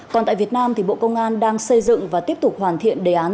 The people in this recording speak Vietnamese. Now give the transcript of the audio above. còn tại việt nam bộ công an đang xây dựng và tiếp tục hoàn thiện đề án